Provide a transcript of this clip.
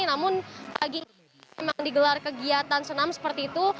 namun pagi memang digelar kegiatan senam seperti itu